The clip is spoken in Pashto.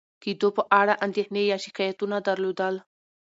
کېدو په اړه اندېښنې یا شکایتونه درلودل،